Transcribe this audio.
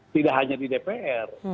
tidak hanya di dpr